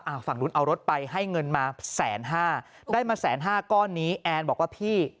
ฝั่งนู้นเอารถไปให้เงินมาแสนห้าได้มาแสนห้าก้อนนี้แอนบอกว่าพี่